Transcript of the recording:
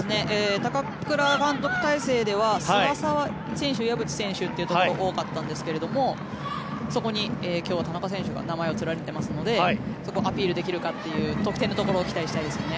高倉監督体制では菅澤選手、岩渕選手ということが多かったんですがそこに今日は田中選手が名前を連ねていますのでそこをアピールできるかという得点のところを期待したいですね。